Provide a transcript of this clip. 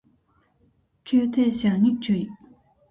急停車に注意